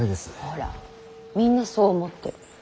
ほらみんなそう思ってる。